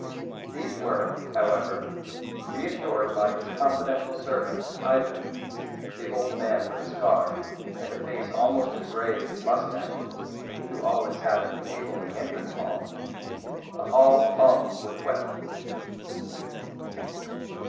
These were, however, reassured by his confidential servant, Ivan, the old man with a scar, and a face almost as grey as his moustaches, who always sat at a table in the entrance hall a hall hung with weapons.